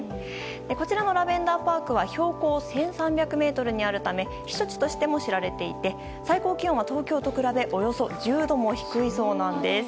こちらのラベンダーパークは標高１３００ｍにあるため避暑地としても知られていて最高気温は東京と比べておよそ１０度も低いそうなんです。